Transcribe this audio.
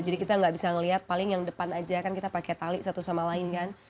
jadi kita nggak bisa ngelihat paling yang depan aja kan kita pakai tali satu sama lain kan